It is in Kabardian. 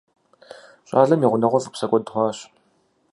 ЩӀалэм и гъунэгъур фӀэпсэкӀуэд хъуащ.